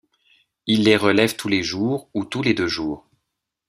Ils les relèvent tous les jours ou tous les deux jours.